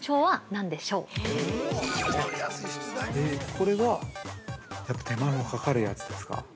◆これは、やっぱり手間のかかるやつですか。